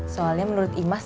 soalnya menurut imas pas